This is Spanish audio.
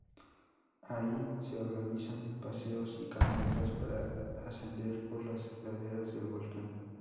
Ahí se organizan paseos y caminatas para ascender por las laderas del volcán.